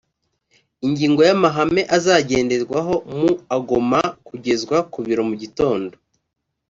ingingo y’amahame azagenderwaho mu agoma kugezwa ku biro mu gitondo